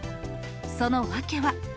その訳は。